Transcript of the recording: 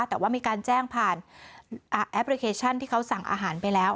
แต่ว่ามีการแจ้งผ่านแอปพลิเคชันที่เขาสั่งอาหารไปแล้ว